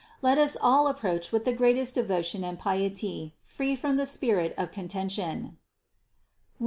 Let us all approach with the great est devotion and piety, free from the spirit of conten tion (Rom.